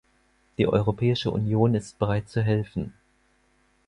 Die Europäische Union ist bereit zu helfen.